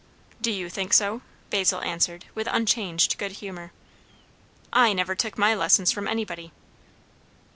"Do you think so?" Basil answered with unchanged good humour. "I never took my lessons from anybody."